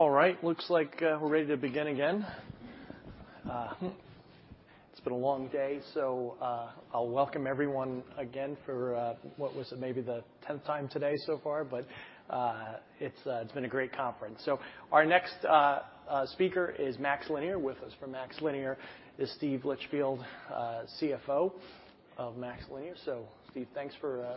All right. Looks like we're ready to begin again. It's been a long day, so I'll welcome everyone again for what was it? Maybe the 10th time today so far. It's been a great conference. Our next speaker is MaxLinear. With us from MaxLinear is Steve Litchfield, CFO of MaxLinear. Steve, thanks for thanks for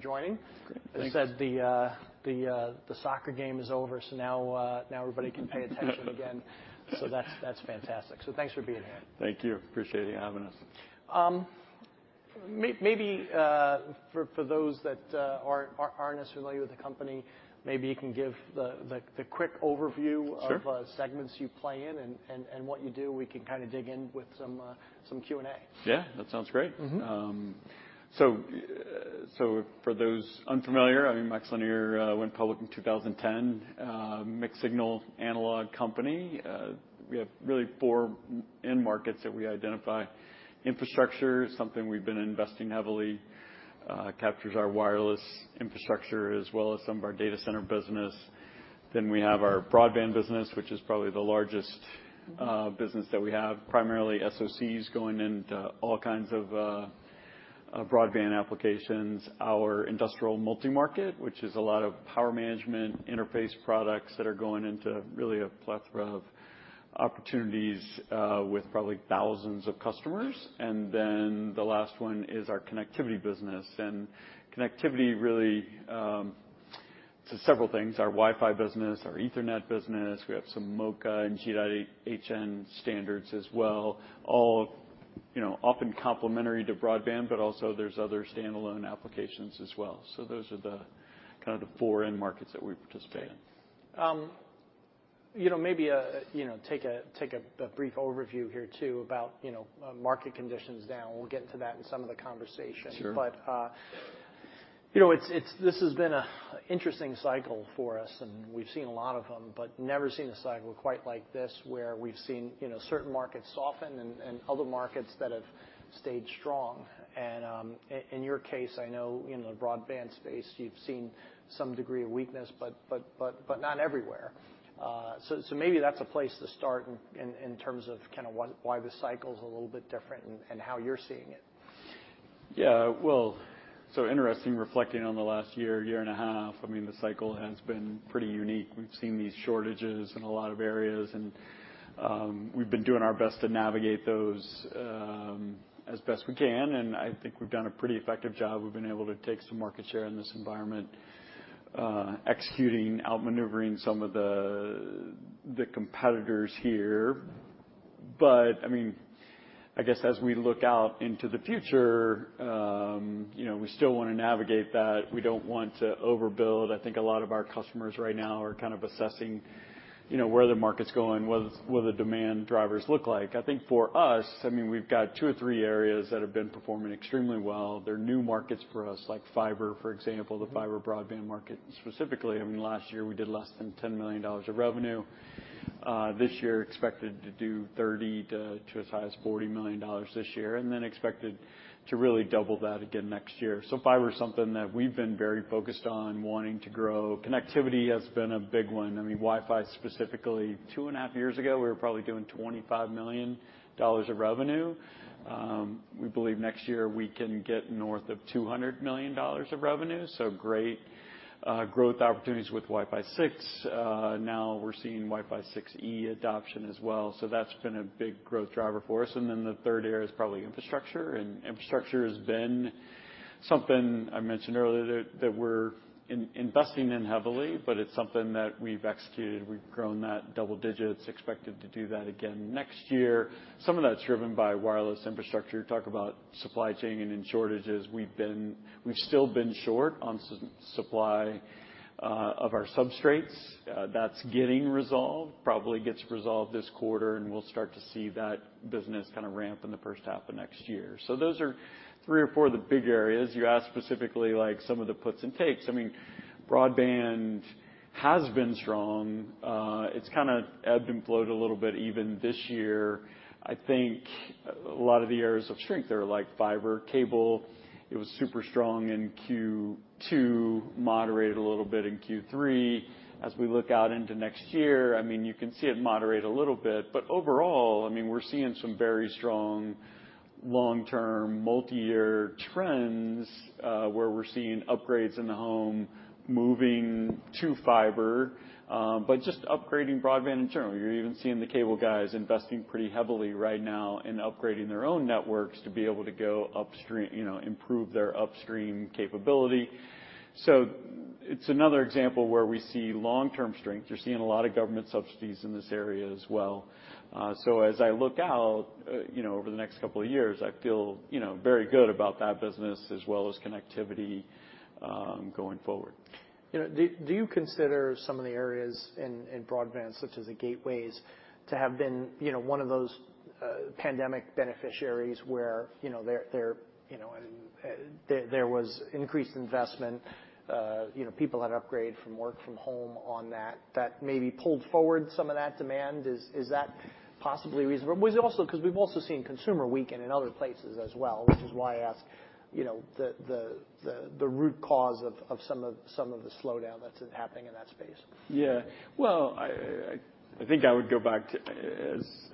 joining. Great. Thank you. As I said, the soccer game is over. Now everybody can pay attention again. That's fantastic. Thanks for being here. Thank you. Appreciate you having us. Maybe, for those that aren't as familiar with the company, maybe you can give the quick overview? Sure... of segments you play in and what you do. We can kinda dig in with some Q&A. Yeah. That sounds great. Mm-hmm. For those unfamiliar, I mean, MaxLinear, went public in 2010. Mixed-signal analog company. We have really four end markets that we identify. Infrastructure is something we've been investing heavily, captures our wireless infrastructure as well as some of our data center business. We have our broadband business, which is probably the largest, business that we have, primarily SOCs going into all kinds of broadband applications. Our industrial multi-market, which is a lot of power management interface products that are going into really a plethora of opportunities, with probably thousands of customers. The last one is our connectivity business. Connectivity really, to several things. Our Wi-Fi business, our Ethernet business, we have some MoCA and G.hn standards as well, all, you know, often complementary to broadband, but also there's other standalone applications as well. Those are the kind of the four end markets that we participate in. You know, maybe, you know, take a brief overview here too, about, you know, market conditions now. We'll get into that in some of the conversation. Sure. You know, this has been an interesting cycle for us, and we've seen a lot of them, but never seen a cycle quite like this, where we've seen, you know, certain markets soften and other markets that have stayed strong. In your case, I know in the broadband space, you've seen some degree of weakness, but not everywhere. So maybe that's a place to start in terms of kinda why the cycle's a little bit different and how you're seeing it. Well, interesting reflecting on the last year, year and a half. I mean, the cycle has been pretty unique. We've seen these shortages in a lot of areas, and we've been doing our best to navigate those as best we can, and I think we've done a pretty effective job. We've been able to take some market share in this environment, executing, outmaneuvering some of the competitors here. I mean, I guess as we look out into the future, you know, we still wanna navigate that. We don't want to overbuild. I think a lot of our customers right now are kind of assessing, you know, where the market's going, what the demand drivers look like. I think for us, I mean, we've got two or three areas that have been performing extremely well. They're new markets for us, like fiber, for example, the fiber broadband market specifically. I mean, last year, we did less than $10 million of revenue. This year expected to do $30 million to as high as $40 million this year, and then expected to really double that again next year. Fiber is something that we've been very focused on wanting to grow. Connectivity has been a big one. I mean, Wi-Fi specifically, two and a half years ago, we were probably doing $25 million of revenue. We believe next year we can get north of $200 million of revenue, so great growth opportunities with Wi-Fi 6. Now we're seeing Wi-Fi 6E adoption as well. That's been a big growth driver for us. The third area is probably infrastructure. Infrastructure has been something I mentioned earlier that we're investing in heavily, but it's something that we've executed. We've grown that double digits, expected to do that again next year. Some of that's driven by wireless infrastructure. Talk about supply chain and in shortages, we've still been short on supply of our substrates. That's getting resolved, probably gets resolved this quarter, and we'll start to see that business kinda ramp in the first half of next year. Those are three or four of the big areas. You asked specifically, like some of the puts and takes. I mean, broadband has been strong. It's kinda ebbed and flowed a little bit even this year. I think a lot of the areas of strength are like fiber, cable. It was super strong in Q2, moderated a little bit in Q3. As we look out into next year, you can see it moderate a little bit, but overall, we're seeing some very strong long-term multi-year trends, where we're seeing upgrades in the home, moving to fiber, but just upgrading broadband in general. You're even seeing the cable guys investing pretty heavily right now in upgrading their own networks to be able to go upstream, you know, improve their upstream capability. It's another example where we see long-term strength. You're seeing a lot of government subsidies in this area as well. As I look out, you know, over the next couple of years, I feel, you know, very good about that business as well as connectivity, going forward. You know, do you consider some of the areas in broadband such as the gateways to have been, you know, one of those pandemic beneficiaries where, you know, there, you know, there was increased investment, you know, people had upgraded from work from home on that maybe pulled forward some of that demand? Is that possibly reasonable? Was it also 'cause we've also seen consumer weaken in other places as well, which is why I ask, you know, the root cause of some of the slowdown that's happening in that space. Yeah. Well, I think I would go back to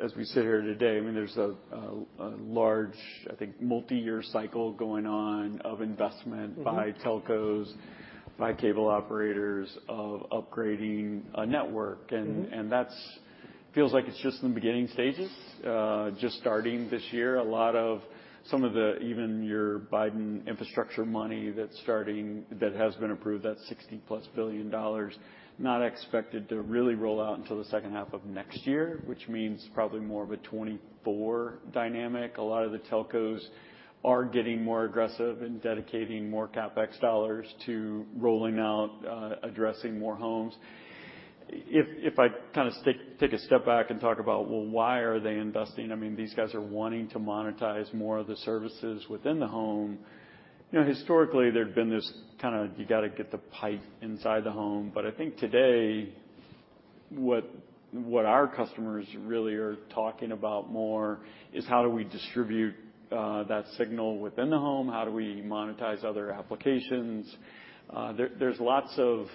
as we sit here today, I mean, there's a large, I think, multiyear cycle going on of investment... Mm-hmm ...by telcos, by cable operators of upgrading a network. Mm-hmm. That's feels like it's just in the beginning stages, just starting this year. A lot of some of the even your Biden infrastructure money that's starting, that has been approved, that $60+ billion, not expected to really roll out until the second half of 2024, which means probably more of a 2024 dynamic. A lot of the telcos are getting more aggressive in dedicating more CapEx dollars to rolling out, addressing more homes. If I kinda take a step back and talk about, well, why are they investing? I mean, these guys are wanting to monetize more of the services within the home. You know, historically, there'd been this kinda you gotta get the pipe inside the home. I think today what our customers really are talking about more is how do we distribute that signal within the home? How do we monetize other applications? There's lots of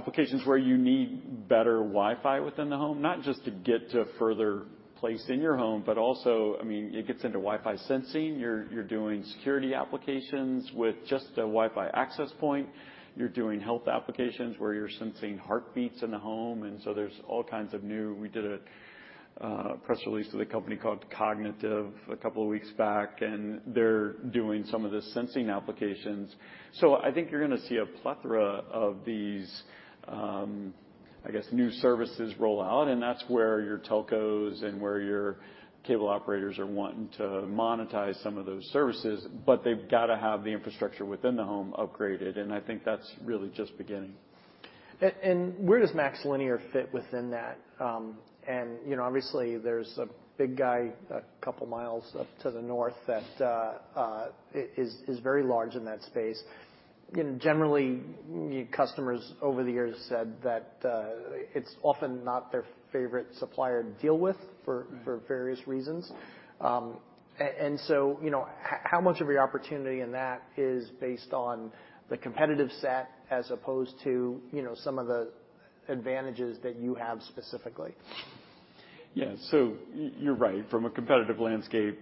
applications where you need better Wi-Fi within the home, not just to get to a further place in your home, but also, I mean, it gets into Wi-Fi sensing. You're doing security applications with just a Wi-Fi access point. You're doing health applications where you're sensing heartbeats in the home. There's all kinds. We did a press release with a company called Cognitive a couple of weeks back, and they're doing some of the sensing applications. I think you're gonna see a plethora of these, I guess, new services roll out, and that's where your telcos and where your cable operators are wanting to monetize some of those services, but they've gotta have the infrastructure within the home upgraded. I think that's really just beginning. Where does MaxLinear fit within that? You know, obviously, there's a big guy a couple miles up to the north that is very large in that space. You know, generally, customers over the years said that, it's often not their favorite supplier to deal with. Mm-hmm ...for various reasons. And so, you know, how much of your opportunity in that is based on the competitive set as opposed to, you know, some of the advantages that you have specifically? Yeah. You're right. From a competitive landscape,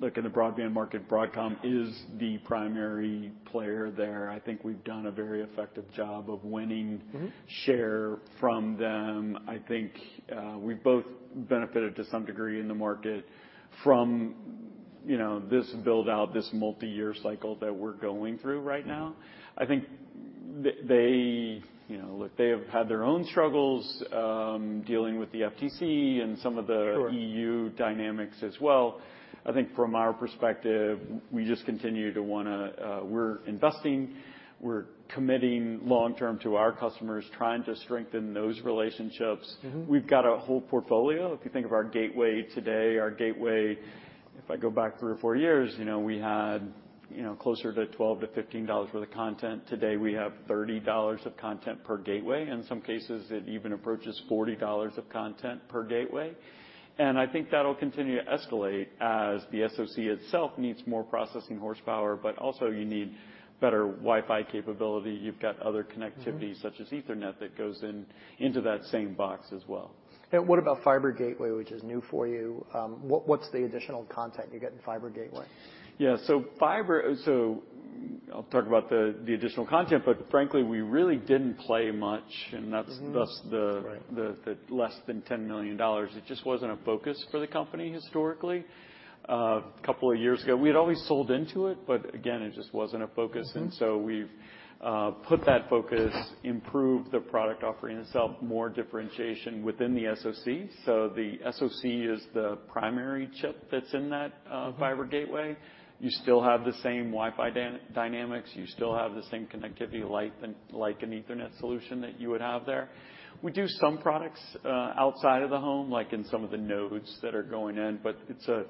look, in the broadband market, Broadcom is the primary player there. I think we've done a very effective job of winning- Mm-hmm ...share from them. I think, we've both benefited to some degree in the market from, you know, this build-out, this multiyear cycle that we're going through right now. Mm-hmm. I think they, you know, look, they have had their own struggles, dealing with the FTC and some of the. Sure EU dynamics as well. I think from our perspective, we just continue to wanna, we're investing, we're committing long term to our customers, trying to strengthen those relationships. Mm-hmm. We've got a whole portfolio. If you think of our gateway today, our gateway, if I go back three or four years, you know, we had, you know, closer to $12-$15 worth of content. Today, we have $30 of content per gateway. In some cases, it even approaches $40 of content per gateway. I think that'll continue to escalate as the SoC itself needs more processing horsepower, but also you need better Wi-Fi capability. You've got other connectivity. Mm-hmm ...such as Ethernet that goes in, into that same box as well. What about fiber gateway, which is new for you? What, what's the additional content you get in fiber gateway? Yeah. I'll talk about the additional content, but frankly, we really didn't play much, and that's-. Mm-hmm ...thus the- Right ...the less than $10 million. It just wasn't a focus for the company historically. A couple of years ago, we had always sold into it. Again, it just wasn't a focus. Mm-hmm. We've put that focus, improved the product offering itself, more differentiation within the SOC. So the SOC is the primary chip that's in that fiber gateway. You still have the same Wi-Fi dynamics, you still have the same connectivity light then like an Ethernet solution that you would have there. We do some products outside of the home, like in some of the nodes that are going in, but it's a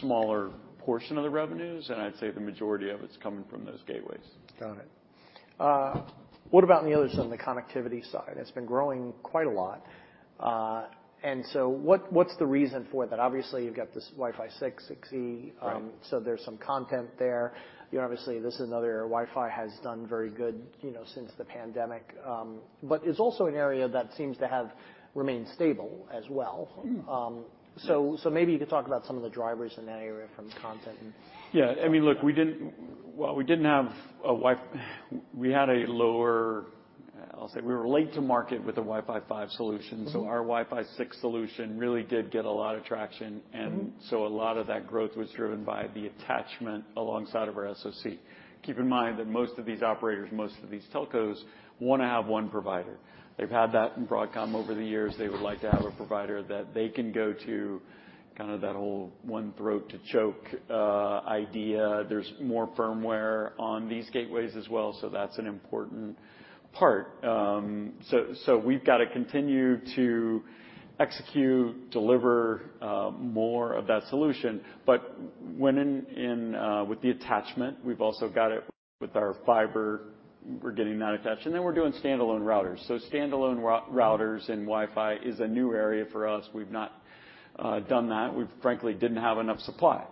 smaller portion of the revenues, and I'd say the majority of it's coming from those gateways. Got it. What about on the other side, on the connectivity side? It's been growing quite a lot. What, what's the reason for that? Obviously, you've got this Wi-Fi 6, 6E. Right. There's some content there. You know, obviously, this is another Wi-Fi has done very good, you know, since the pandemic. It's also an area that seems to have remained stable as well. Mm-hmm. Maybe you could talk about some of the drivers in that area from content. Yeah. I mean, look, Well, I'll say we were late to market with the Wi-Fi 5 solution. Mm-hmm. Our Wi-Fi 6 solution really did get a lot of traction. Mm-hmm. A lot of that growth was driven by the attachment alongside of our SOC. Keep in mind that most of these operators, most of these telcos wanna have one provider. They've had that in Broadcom over the years. They would like to have a provider that they can go to, kind of that whole one throat to choke, idea. There's more firmware on these gateways as well, so that's an important part. So we've gotta continue to execute, deliver, more of that solution. When with the attachment, we've also got it with our fiber, we're getting that attached, and then we're doing standalone routers. Standalone routers and Wi-Fi is a new area for us. We've not done that. We frankly didn't have enough supply.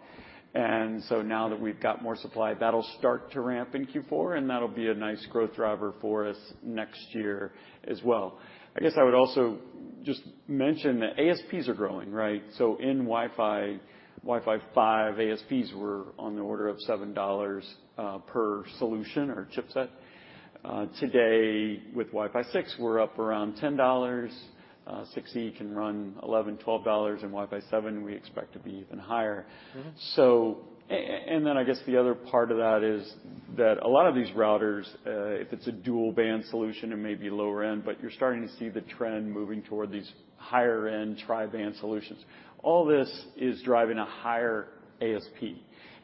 Now that we've got more supply, that'll start to ramp in Q4, and that'll be a nice growth driver for us next year as well. I guess I would also just mention that ASPs are growing, right? In Wi-Fi, Wi-Fi 5, ASPs were on the order of $7 per solution or chipset. Today, with Wi-Fi 6, we're up around $10, Wi-Fi 6E can run $11-$12, and Wi-Fi 7 we expect to be even higher. Mm-hmm. I guess the other part of that is that a lot of these routers, if it's a dual-band solution, it may be lower end, but you're starting to see the trend moving toward these higher end tri-band solutions. All this is driving a higher ASP.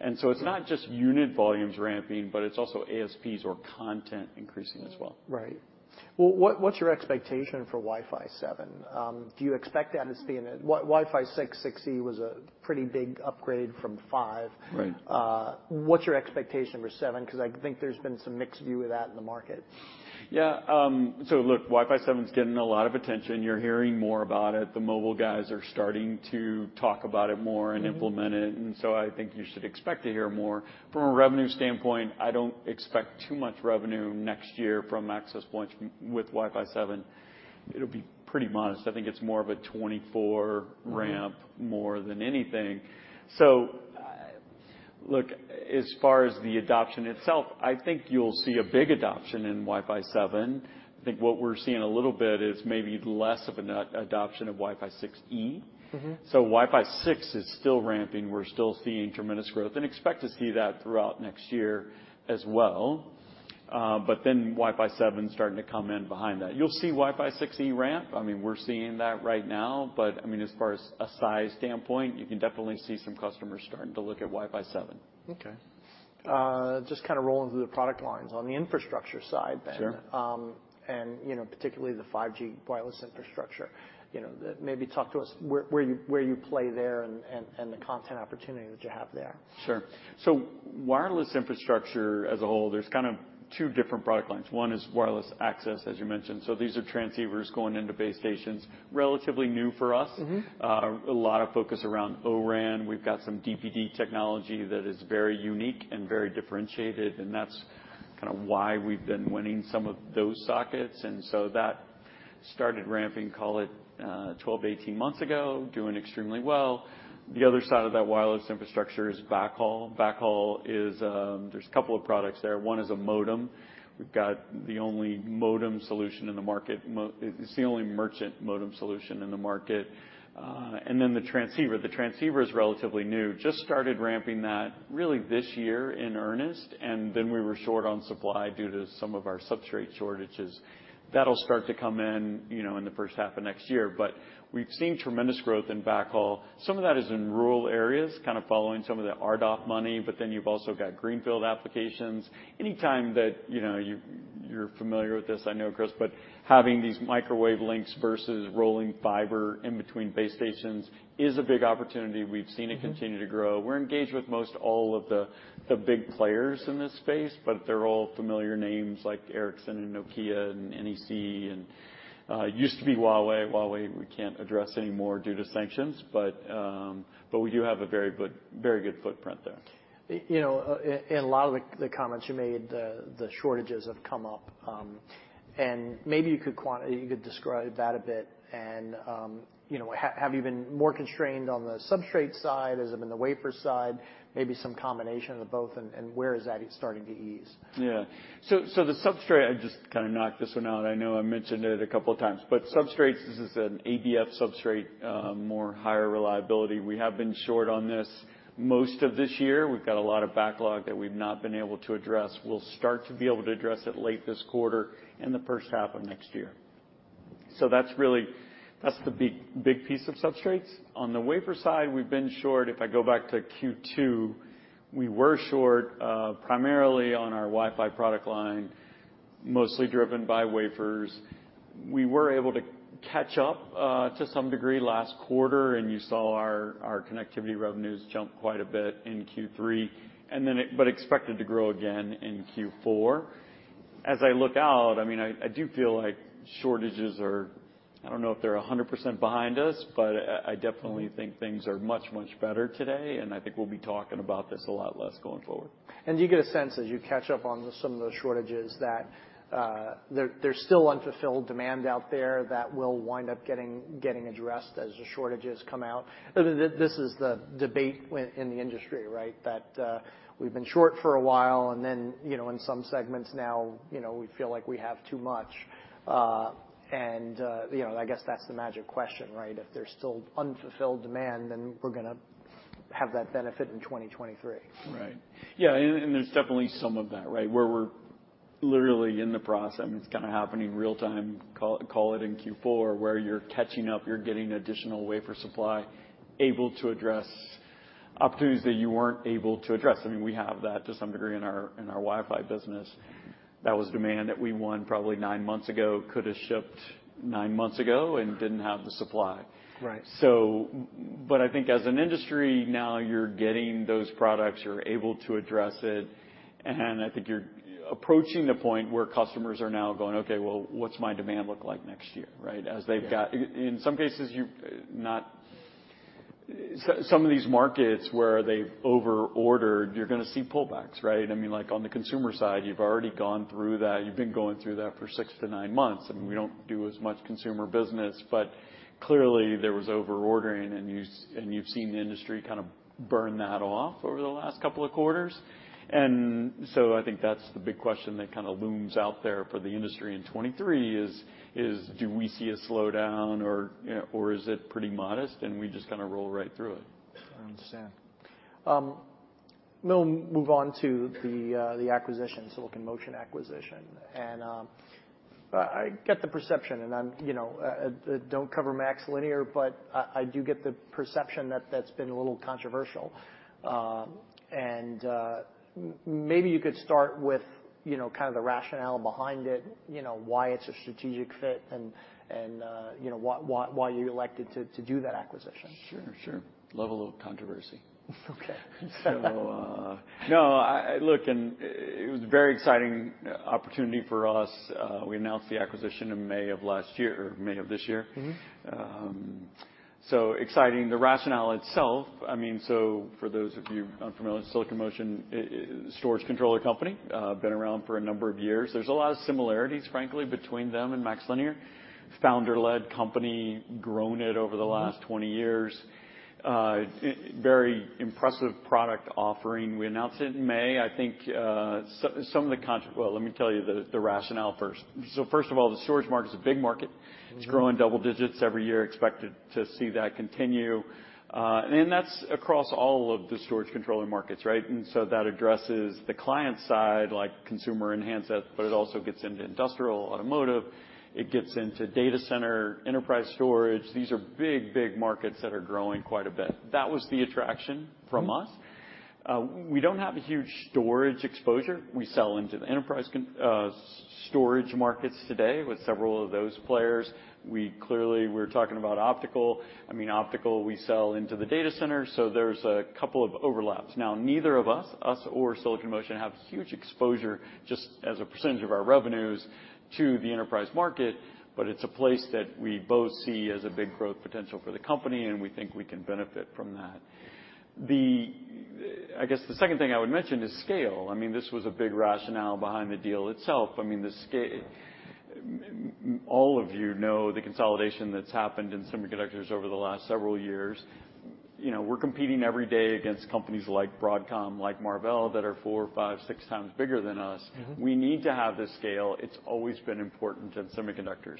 It's not just unit volumes ramping, but it's also ASPs or content increasing as well. Right. Well, what's your expectation for Wi-Fi 7? Wi-Fi 6, 6E was a pretty big upgrade from Wi-Fi 5. Right. What's your expectation for Wi-Fi 7? 'Cause I think there's been some mixed view of that in the market. Look, Wi-Fi 7's getting a lot of attention. You're hearing more about it. The mobile guys are starting to talk about it more and implement it. I think you should expect to hear more. From a revenue standpoint, I don't expect too much revenue next year from access points with Wi-Fi 7. It'll be pretty modest. I think it's more of a 2024 ramp more than anything. Look, as far as the adoption itself, I think you'll see a big adoption in Wi-Fi 7. I think what we're seeing a little bit is maybe less of an adoption of Wi-Fi 6E. Mm-hmm. Wi-Fi 6 is still ramping. We're still seeing tremendous growth and expect to see that throughout next year as well. Wi-Fi 7's starting to come in behind that. You'll see Wi-Fi 6E ramp. I mean, we're seeing that right now, but I mean, as far as a size standpoint, you can definitely see some customers starting to look at Wi-Fi 7. Okay. just kinda rolling through the product lines on the infrastructure side then. Sure. You know, particularly the 5G wireless infrastructure. You know, maybe talk to us where you play there and the content opportunity that you have there? Sure. Wireless infrastructure as a whole, there's kind of two different product lines. One is wireless access, as you mentioned. These are transceivers going into base stations, relatively new for us. Mm-hmm. A lot of focus around O-RAN. We've got some DPD technology that is very unique and very differentiated, that's kinda why we've been winning some of those sockets. That started ramping, call it, 12-18 months ago, doing extremely well. The other side of that wireless infrastructure is backhaul. Backhaul is, there's a couple of products there. One is a modem. We've got the only modem solution in the market. It's the only merchant modem solution in the market. Then the transceiver. The transceiver is relatively new. Just started ramping that really this year in earnest, then we were short on supply due to some of our substrate shortages. That'll start to come in, you know, in the first half of next year. We've seen tremendous growth in backhaul. Some of that is in rural areas, kind of following some of the RDOF money, but then you've also got greenfield applications. Any time that, you know, you're familiar with this, I know, Chris, but having these microwave links versus rolling fiber in between base stations is a big opportunity. We've seen it continue to grow. We're engaged with most all of the big players in this space, but they're all familiar names like Ericsson and Nokia and NEC and used to be Huawei. Huawei we can't address anymore due to sanctions, but we do have a very good footprint there. You know, in a lot of the comments you made, the shortages have come up. Maybe you could describe that a bit and, you know, have you been more constrained on the substrate side? Has it been the wafer side? Maybe some combination of the both, and where is that starting to ease? Yeah. So the substrate, I just kind of knocked this one out. I know I mentioned it a couple times, but substrates, this is an ABF substrate, more higher reliability. We have been short on this most of this year. We've got a lot of backlog that we've not been able to address. We'll start to be able to address it late this quarter and the first half of next year. That's really, that's the big piece of substrates. On the wafer side, we've been short. If I go back to Q2, we were short, primarily on our Wi-Fi product line, mostly driven by wafers. We were able to catch up to some degree last quarter, and you saw our connectivity revenues jump quite a bit in Q3, and then expected to grow again in Q4. As I look out, I mean, I do feel like shortages are... I don't know if they're 100% behind us, but I definitely think things are much, much better today, and I think we'll be talking about this a lot less going forward. Do you get a sense, as you catch up on some of those shortages, that there's still unfulfilled demand out there that will wind up getting addressed as the shortages come out? This is the debate in the industry, right? We've been short for a while and then, you know, in some segments now, you know, we feel like we have too much. You know, I guess that's the magic question, right? If there's still unfulfilled demand, then we're gonna fill it. Have that benefit in 2023. Right. Yeah, and there's definitely some of that, right? Where we're literally in the process, I mean, it's kind of happening real-time, call it in Q4, where you're catching up, you're getting additional wafer supply, able to address opportunities that you weren't able to address. I mean, we have that to some degree in our Wi-Fi business. That was demand that we won probably nine months ago, could have shipped nine months ago and didn't have the supply. Right. But I think as an industry, now you're getting those products, you're able to address it, and I think you're approaching the point where customers are now going, "Okay, well, what's my demand look like next year," right? Yeah. In some cases you've not... Some of these markets where they've over-ordered, you're gonna see pullbacks, right? I mean, like, on the consumer side, you've already gone through that. You've been going through that for six to nine months. We don't do as much consumer business. Clearly, there was over-ordering, and you've seen the industry kind of burn that off over the last couple of quarters. I think that's the big question that kind of looms out there for the industry in 2023 is, do we see a slowdown or, you know, or is it pretty modest, and we just kinda roll right through it? I understand. We'll move on to the acquisition, Silicon Motion acquisition. I get the perception, and I'm, you know, don't cover MaxLinear, but I do get the perception that that's been a little controversial. Maybe you could start with, you know, kind of the rationale behind it, you know, why it's a strategic fit and, you know, why you elected to do that acquisition? Sure, sure. Level of controversy. Okay. Look, and it was a very exciting opportunity for us. We announced the acquisition in May of last year, May of this year. Mm-hmm. So exciting. The rationale itself, I mean, for those of you unfamiliar, Silicon Motion is storage controller company, been around for a number of years. There's a lot of similarities, frankly, between them and MaxLinear. Founder-led company, grown it over the last 20 years. Very impressive product offering. We announced it in May. I think, some of the Well, let me tell you the rationale first. First of all, the storage market is a big market. Mm-hmm. It's growing double digits every year, expected to see that continue. That's across all of the storage controller markets, right? That addresses the client side, like consumer and handset, but it also gets into industrial, automotive. It gets into data center, enterprise storage. These are big, big markets that are growing quite a bit. That was the attraction from us. Mm-hmm. We don't have a huge storage exposure. We sell into the enterprise storage markets today with several of those players. We clearly, we're talking about optical. I mean, optical, we sell into the data center, so there's a couple of overlaps. Neither of us or Silicon Motion, have huge exposure just as a % of our revenues to the enterprise market, but it's a place that we both see as a big growth potential for the company, and we think we can benefit from that. I guess, the second thing I would mention is scale. I mean, this was a big rationale behind the deal itself. I mean, all of you know the consolidation that's happened in semiconductors over the last several years. You know, we're competing every day against companies like Broadcom, like Marvell, that are four, five, six times bigger than us. Mm-hmm. We need to have the scale. It's always been important in semiconductors.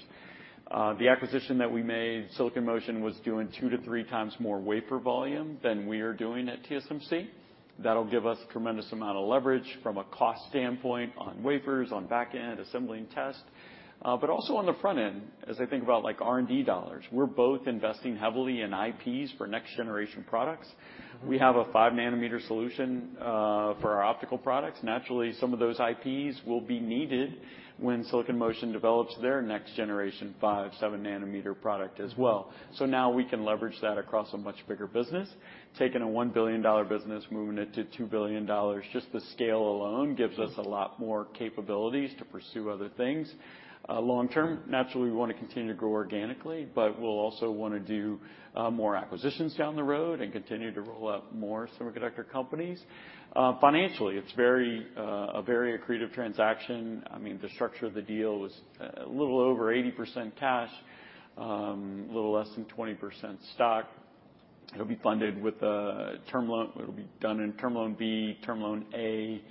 The acquisition that we made, Silicon Motion, was doing two to three times more wafer volume than we're doing at TSMC. That'll give us tremendous amount of leverage from a cost standpoint on wafers, on back-end assembling test, but also on the front end, as I think about, like, R&D dollars. We're both investing heavily in IPs for next generation products. Mm-hmm. We have a 5 nm solution for our optical products. Naturally, some of those IPs will be needed when Silicon Motion develops their next generation 5 nm, 7 nm product as well. Now we can leverage that across a much bigger business, taking a $1 billion business, moving it to $2 billion. Just the scale alone gives us a lot more capabilities to pursue other things. Long term, naturally, we wanna continue to grow organically, but we'll also wanna do more acquisitions down the road and continue to roll out more semiconductor companies. Financially, it's very a very accretive transaction. I mean, the structure of the deal was a little over 80% cash, a little less than 20% stock. It'll be funded with a term loan. It'll be done in Term Loan B, Term Loan A,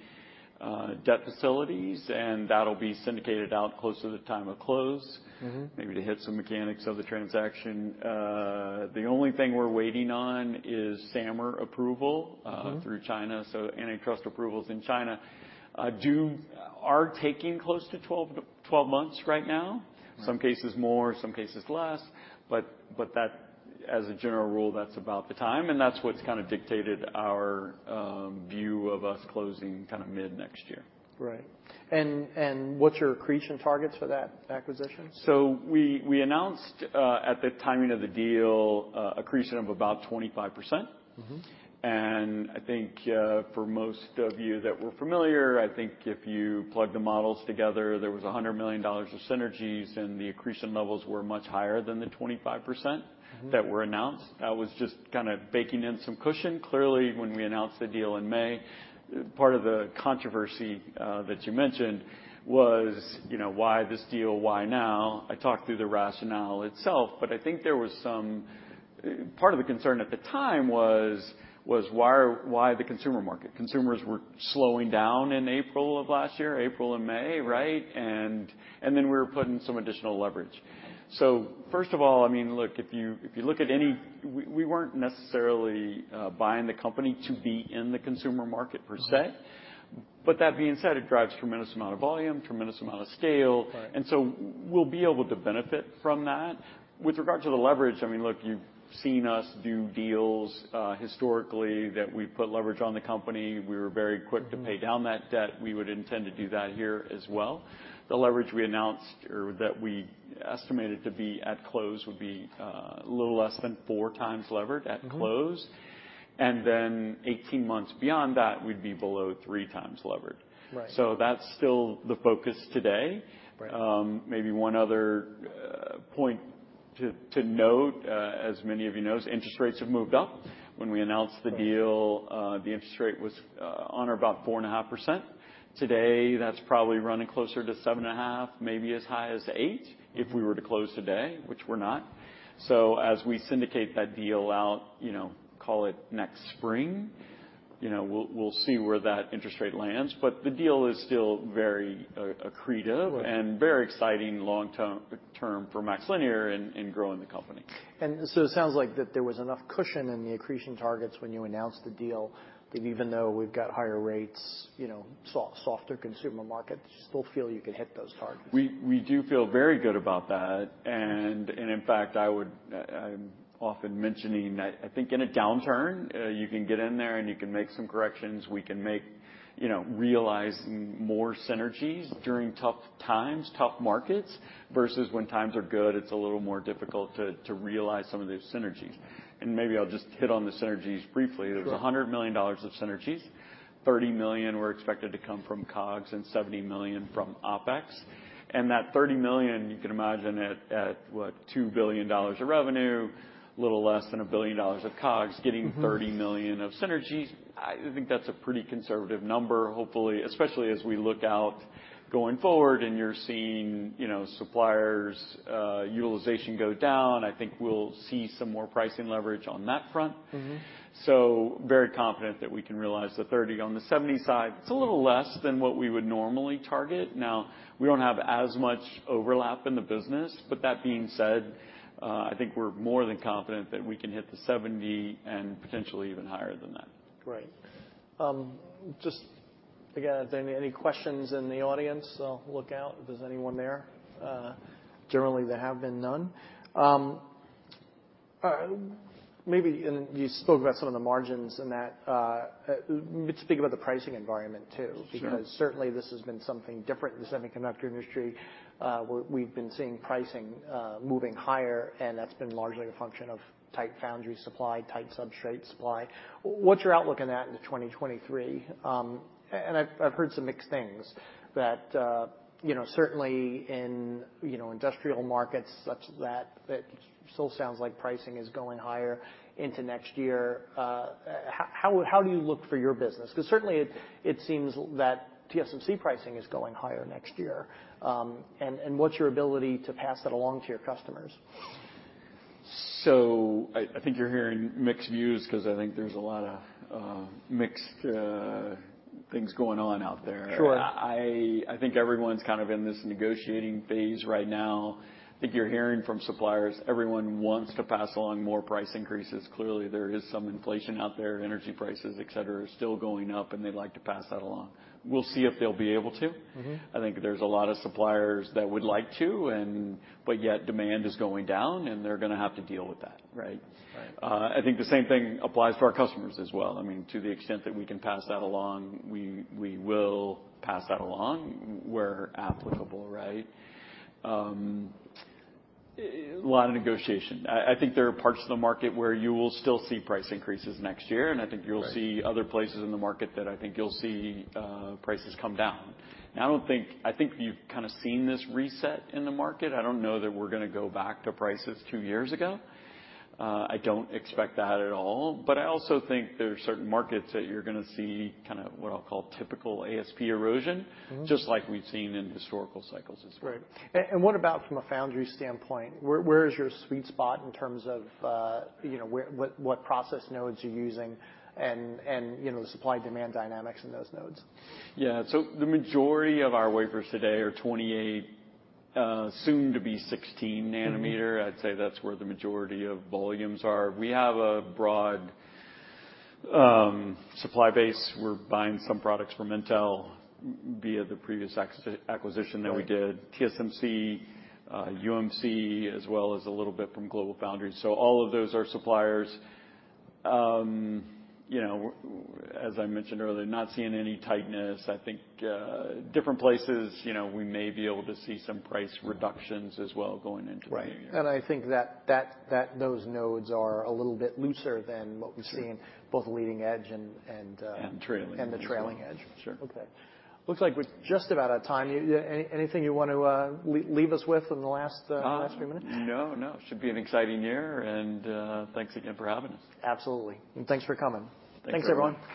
debt facilities, and that'll be syndicated out close to the time of close. Mm-hmm. Maybe to hit some mechanics of the transaction, the only thing we're waiting on is SAMR approval. Mm-hmm... through China. Antitrust approvals in China are taking close to 12 months right now. Right. Some cases more, some cases less, but that, as a general rule, that's about the time, and that's what's kind of dictated our view of us closing kind of mid-next year. Right. What's your accretion targets for that acquisition? We announced at the timing of the deal, accretion of about 25%. Mm-hmm. I think, for most of you that were familiar, I think if you plug the models together, there was $100 million of synergies, the accretion levels were much higher than the 25%. Mm-hmm... that were announced. That was just kind of baking in some cushion. Clearly, when we announced the deal in May, part of the controversy, that you mentioned was, you know, why this deal, why now? I talked through the rationale itself, but I think there were some part of the concern at the time was why the consumer market? Consumers were slowing down in April of last year, April and May, right? Then we were putting some additional leverage. First of all, I mean, look, We weren't necessarily buying the company to be in the consumer market per se. Right. That being said, it drives tremendous amount of volume, tremendous amount of scale. Right. We'll be able to benefit from that. With regard to the leverage, I mean, look, you've seen us do deals, historically that we put leverage on the company. We were very quick- Mm-hmm... to pay down that debt. We would intend to do that here as well. The leverage we announced or that we estimated to be at close would be a little less than 4x levered at close. Mm-hmm. 18 months beyond that, we'd be below 3x levered. Right. That's still the focus today. Right. Maybe one other point to note, as many of you know, is interest rates have moved up. When we announced the deal- Right... the interest rate was, on or about 4.5%. Today, that's probably running closer to 7.5%, maybe as high as 8%, if we were to close today, which we're not. As we syndicate that deal out, you know, call it next spring, you know, we'll see where that interest rate lands. The deal is still very a-accretive- Right... and very exciting long term for MaxLinear in growing the company. It sounds like that there was enough cushion in the accretion targets when you announced the deal that even though we've got higher rates, you know, softer consumer market, you still feel you can hit those targets. We do feel very good about that. In fact, I'm often mentioning that I think in a downturn, you can get in there, and you can make some corrections. We can make, you know, realize more synergies during tough times, tough markets, versus when times are good, it's a little more difficult to realize some of these synergies. Maybe I'll just hit on the synergies briefly. Sure. There's $100 million of synergies, $30 million were expected to come from COGS and $70 million from OpEx. That $30 million, you can imagine at what? $2 billion of revenue, a little less than $1 billion of COGS. Mm-hmm $30 million of synergies, I think that's a pretty conservative number. Hopefully, especially as we look out going forward and you're seeing, you know, suppliers', utilization go down, I think we'll see some more pricing leverage on that front. Mm-hmm. Very confident that we can realize the $30 million. On the $70 million side, it's a little less than what we would normally target. We don't have as much overlap in the business, but that being said, I think we're more than confident that we can hit the $70 million and potentially even higher than that. Great. Just again, any questions in the audience? I'll look out if there's anyone there. Generally, there have been none. Maybe, and you spoke about some of the margins and that. Let's speak about the pricing environment too. Sure. Certainly, this has been something different in the semiconductor industry, where we've been seeing pricing, moving higher, and that's been largely a function of tight foundry supply, tight substrate supply. What's your outlook on that into 2023? I've heard some mixed things that, you know, certainly in, you know, industrial markets such that it still sounds like pricing is going higher into next year. How do you look for your business? Because certainly, it seems that TSMC pricing is going higher next year. What's your ability to pass that along to your customers? I think you're hearing mixed views 'cause I think there's a lot of mixed things going on out there. Sure. I think everyone's kind of in this negotiating phase right now. I think you're hearing from suppliers, everyone wants to pass along more price increases. Clearly, there is some inflation out there. Energy prices, et cetera, are still going up, and they'd like to pass that along. We'll see if they'll be able to. Mm-hmm. I think there's a lot of suppliers that would like to but yet demand is going down, and they're gonna have to deal with that, right? Right. I think the same thing applies to our customers as well. I mean, to the extent that we can pass that along, we will pass that along where applicable, right? A lot of negotiation. I think there are parts of the market where you will still see price increases next year, and I think you'll. Right... see other places in the market that I think you'll see prices come down. I think you've kind of seen this reset in the market. I don't know that we're gonna go back to prices two years ago. I don't expect that at all. I also think there are certain markets that you're gonna see kinda what I'll call typical ASP erosion... Mm-hmm Just like we've seen in historical cycles as well. Right. What about from a foundry standpoint? Where is your sweet spot in terms of, you know, where, what process nodes you're using and, you know, the supply-demand dynamics in those nodes? Yeah. The majority of our wafers today are 28 nm, soon to be 16 nm. Mm-hmm. I'd say that's where the majority of volumes are. We have a broad supply base. We're buying some products from Intel via the previous acquisition that we did. Right. TSMC, UMC, as well as a little bit from GlobalFoundries. All of those are suppliers. You know, as I mentioned earlier, not seeing any tightness. I think, different places, you know, we may be able to see some price reductions as well going into the new year. Right. I think that those nodes are a little bit looser than what we've seen. Sure... both leading edge and, Trailing.... and the trailing edge. Sure. Okay. Looks like we're just about out of time. Anything you want to leave us with in the last few minutes? No, no. Should be an exciting year. Thanks again for having us. Absolutely. Thanks for coming. Thanks, everyone.